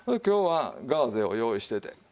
今日はガーゼを用意しておいて。